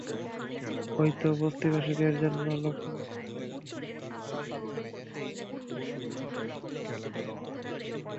হয়তো বস্তিবাসীদের জন্য লক্ষ্যভিত্তিক কর্মসূচি নিয়ে কৃতিত্বের পরিসংখ্যান হাজির করায় সমস্যা হয়।